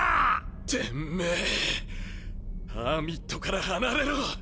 てんめぇハーミットから離れろ！